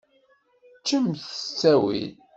Ččemt s ttawil.